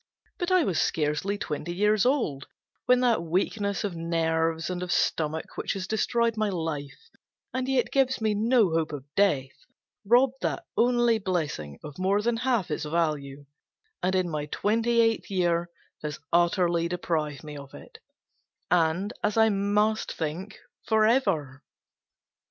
But I was scarcely twenty years old, when that weakness of nerves and of stomach, which has destroyed my life, and yet gives me no hope of death, robbed that only blessing of more than half its value, and, in my twenty eighth year, has utterly deprived me of it, and, as I must think, forever.